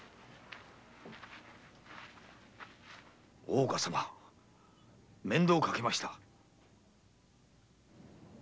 大岡様面倒をかけました。